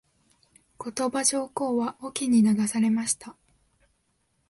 後鳥羽上皇は隠岐に流されました。